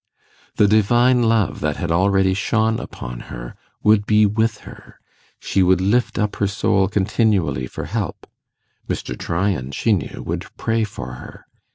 The Divine Love that had already shone upon her would be with her; she would lift up her soul continually for help; Mr. Tryan, she knew, would pray for her.